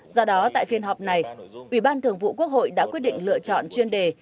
do đó tại phiên họp này ủy ban thường vụ quốc hội đã quyết định lựa chọn chuyên đề